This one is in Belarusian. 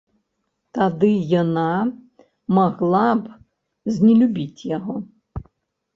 Тады яна магла б знелюбіць яго.